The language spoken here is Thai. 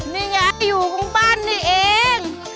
นี่ไงอยู่โครงบ้านนี่เอง